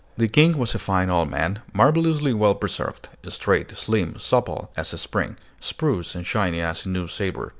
The King was a fine old man, marvelously well preserved, straight, slim, supple as a spring, spruce and shining as a new sabre.